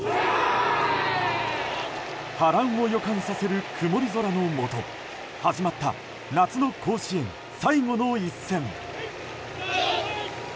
波乱を予感させる曇り空のもと始まった、夏の甲子園最後の一戦。